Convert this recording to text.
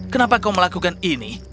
kenapa kau melakukan ini